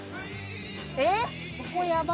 えっ⁉